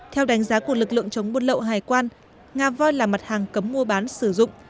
theo đánh giá của lực lượng chống buôn lậu hải quan nga voi là mặt hàng cấm mua bán sử dụng